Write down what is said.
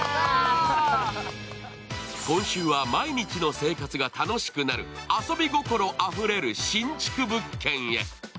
今週は毎日の生活が楽しくなる遊び心あふれる新築物件へ。